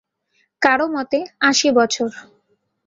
কারও মতে, আশি বছর।